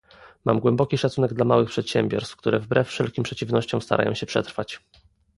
Mam głęboki szacunek dla małych przedsiębiorstw, które wbrew wszelkim przeciwnościom starają się przetrwać